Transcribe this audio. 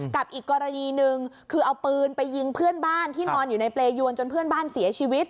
กับอีกกรณีหนึ่งคือเอาปืนไปยิงเพื่อนบ้านที่นอนอยู่ในเปรยวนจนเพื่อนบ้านเสียชีวิต